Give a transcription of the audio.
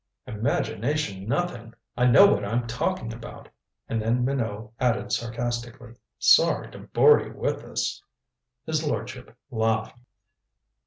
"Imagination nothing! I know what I'm talking about." And then Minot added sarcastically: "Sorry to bore you with this." His lordship laughed.